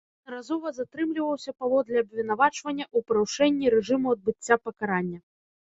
Неаднаразова затрымліваўся паводле абвінавачання ў парушэнні рэжыму адбыцця пакарання.